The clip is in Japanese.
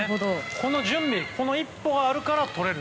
この準備一歩があるからとれる。